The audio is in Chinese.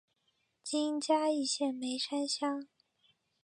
今嘉义县梅山乡。